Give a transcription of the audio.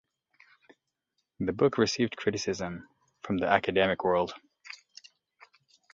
The book received criticism from the academic world.